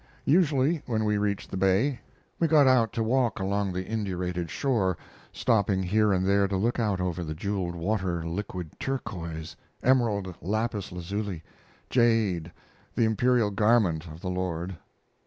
Usually, when we reached the bay, we got out to walk along the indurated shore, stopping here and there to look out over the jeweled water liquid turquoise, emerald lapis lazuli, jade, the imperial garment of the Lord.